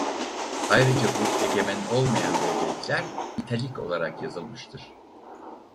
Ayrıca bu egemen olmayan devletler "italik" olarak yazılmıştır.